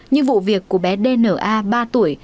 như vụ việc của bé dna ba tuổi